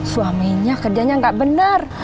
suaminya kerjanya gak benar